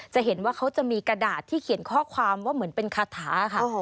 จะเห็นว่าเขาจะมีกระดาษที่เขียนข้อความว่าเหมือนเป็นคาถาค่ะ